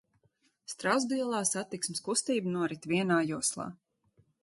Strazdu ielā satiksmes kustība norit vienā joslā.